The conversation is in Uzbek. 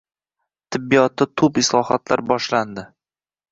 Tibbiyotda tub islohotlar boshlandi